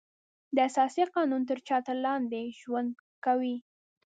د اساسي قانون تر چتر لاندې ژوند کوي.